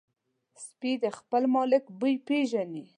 سپي د خپل مالک بوی پېژني.